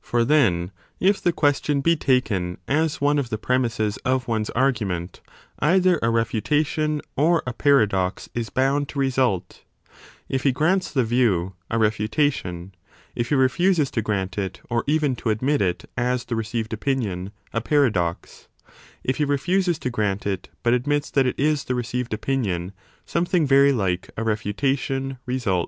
For then, if the question be taken as one of the premisses 15 of one s argument, either a refutation or a paradox is bound to result ; if he grants the view, a refutation ; if he refuses to grant it or even to admit it as the received opinion, a paradox ; if he refuses to grant it, but admits that it is the received opinion, something very like a refutation, results.